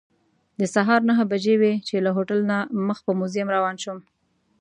د سهار نهه بجې وې چې له هوټل نه مخ په موزیم روان شوم.